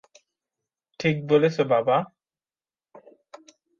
ঠিক বলেছ বাবা।